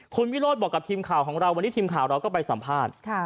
คุณวิโรธบอกกับทีมข่าวของเราวันนี้ทีมข่าวเราก็ไปสัมภาษณ์